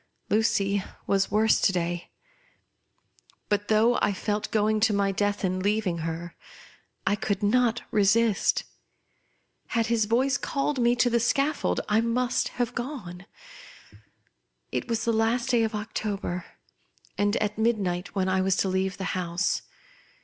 Lucy was worse to day ; but though I felt going to my death, in leaving her, I could not resist. Had his voJfe called me to the scaffold, I must have gone. It was the last day of October, and at midnight, when I was to leave the house.